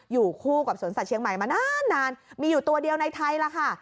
อยู่คู่กับสวนสัตวเชียงใหม่มานานมีอยู่ตัวเดียวในไทยล่ะค่ะ